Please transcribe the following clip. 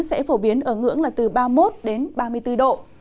sẽ phổ biến ở ngưỡng là từ ba mươi một ba mươi bốn độ